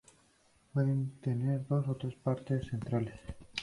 Pueden tener dos o tres partes centrales.